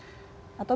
atau bisa diberikan